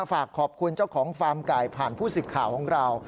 ฝากขอบคุณเจ้าของฟาร์มไก่ผ่านผู้สิทธิ์ข่าวของเรา